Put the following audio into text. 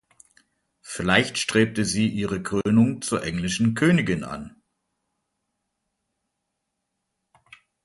Vielleicht strebte sie ihre Krönung zur englischen Königin an.